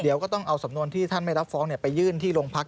เดี๋ยวก็ต้องเอาสำนวนที่ท่านไม่รับฟ้องไปยื่นที่โรงพัก